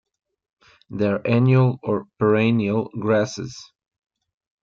They are annual or perennial grasses.